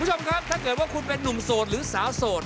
คุณผู้ชมครับถ้าเกิดว่าคุณเป็นนุ่มโสดหรือสาวโสด